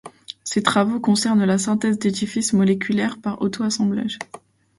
Ses travaux concernent la synthèse d'édifices moléculaires par auto-assemblage.